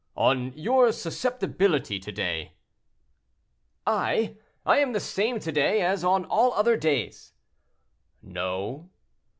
"On your susceptibility to day." "I! I am the same to day as on all other days." "No."